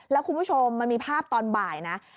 แล้วคุณผู้ชมมันมีภาพตอนบ่ายนะ